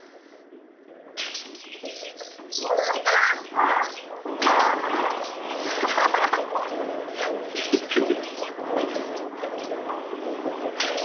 ああっ！びっくり。